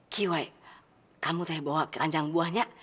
kiwai kamu saya bawa keranjang buahnya